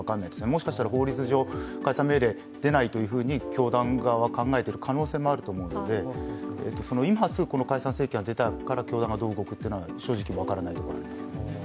もしかしたら、法律上、解散命令が出ないと教団側が考えている可能性もあると思うので、今すぐ解散請求が出たからどうなるかというのは正直分からないところです。